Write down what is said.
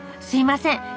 すいません。